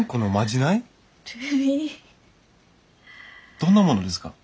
どんなものですか？